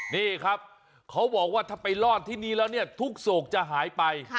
นี่ครับเขาบอกว่าถ้าไปรอดที่นี่แล้วเนี่ยทุกโศกจะหายไป